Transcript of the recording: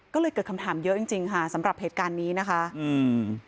ก็เลยเกิดคำถามเยอะจริงจริงค่ะสำหรับเหตุการณ์นี้นะคะอืม